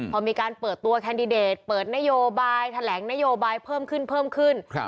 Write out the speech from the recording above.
พอมีการเปิดตัวแคนดิเดตเปิดนโยบายแถลงนโยบายเพิ่มขึ้นเพิ่มขึ้น